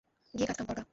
গিয়ে কাজকাম কর গা।